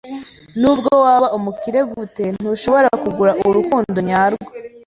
Nubwo waba umukire gute, ntushobora kugura urukundo nyarwo.